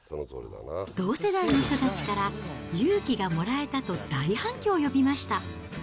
同世代の人たちから、勇気がもらえたと、大反響を呼びました。